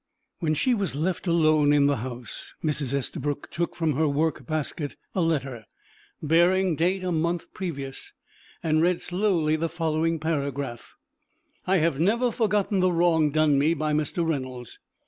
When she was left alone in the house Mrs. Estabrook took from her workbasket a letter, bearing date a month previous, and read slowly the following paragraph: "I have never forgotten the wrong done me by Mr. Reynolds.